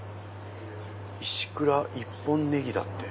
「石倉一本ネギ」だって。